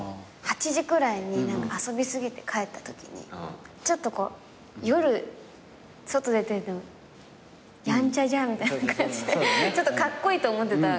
８時くらいに遊び過ぎて帰ったときにちょっとこう夜外出てるのやんちゃじゃんみたいな感じでちょっとカッコイイと思ってた。